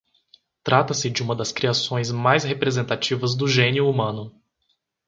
Trata-se de uma das criações mais representativas do génio humano